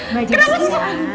mbak jessy ini ada